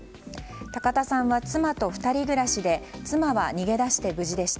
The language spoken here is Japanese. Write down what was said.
高田さんは妻と２人暮らしで妻は逃げ出して無事でした。